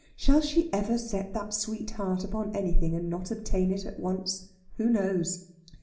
Shall she ever set that sweet heart upon anything, and not obtain it at once? Who knows?